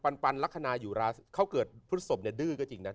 ยปันลักษณ์าหยุราษเค้าเกิดพฤตสพศจรรย์เนี่ยดื้อก็จริงนะ